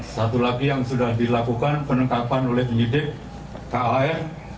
satu lagi yang sudah dilakukan penengkapan oleh penyidik kah